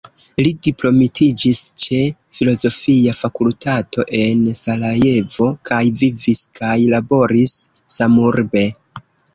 Li diplomitiĝis ĉe filozofia fakultato en Sarajevo kaj vivis kaj laboris samurbe.